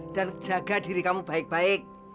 dan jaga diri kamu baik baik